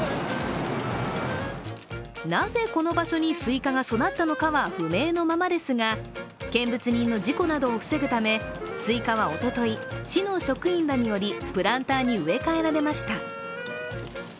なぜこの場所にスイカが育ったのかは不明なままですが見物人の事故などを防ぐため、スイカはおととい、市の職員らによりプランターに植え替えられました。